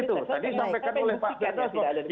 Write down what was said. itu tadi sampaikan oleh pak gatot